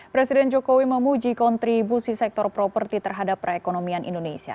presiden jokowi memuji kontribusi sektor properti terhadap perekonomian indonesia